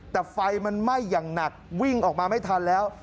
แต่ไฟมันไหม้อย่างหนักวิ่งออกมาไม่ทันแล้ว